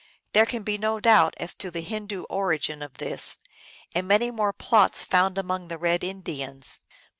There can be no doubt as to the Hindoo origin of this and many more plots found among the red Indians.